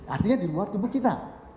artinya di luar tubuh kita